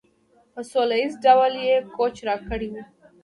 په سوله ایز ډول یې کوچ راکړی وي.